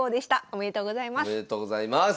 おめでとうございます。